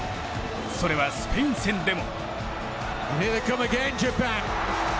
それはスペイン戦でも。